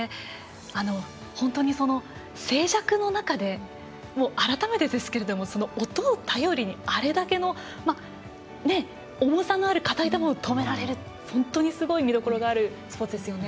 本当に静寂の中で改めてですけれども音を頼りにあれだけの重さのある硬い球を止められるって本当にすごい見どころのあるスポーツですよね。